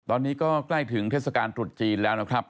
ตอนนี้ก็ใกล้ถึงเทศกาลตรุษจีนแล้วนะครับ